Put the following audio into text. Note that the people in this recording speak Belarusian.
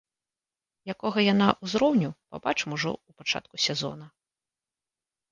Якога яны ўзроўню, пабачым ужо ў пачатку сезона.